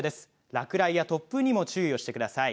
落雷や突風にも注意をしてください。